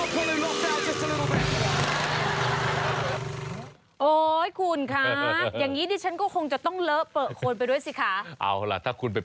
ไปดูภาพกันเลยครับ